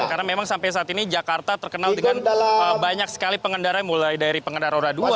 karena memang sampai saat ini jakarta terkenal dengan banyak sekali pengendara mulai dari pengendara roda dua